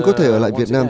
có thể ở lại việt nam